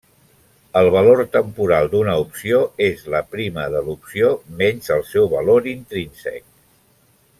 El valor temporal d'una opció és la prima de l'opció menys el seu valor intrínsec.